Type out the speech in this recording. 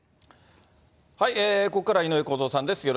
ここからは井上公造さんです。